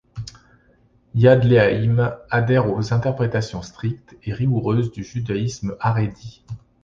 Yad LeAhim adhère aux interprétations strictes et rigoureuses du judaïsme Haredi.